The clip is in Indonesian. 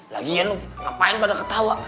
lagi ian lu ngapain pada ketawa